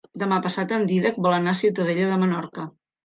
Demà passat en Dídac vol anar a Ciutadella de Menorca.